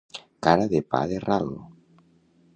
Cara de pa de ral.